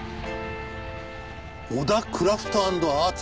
小田クラフト＆アーツ？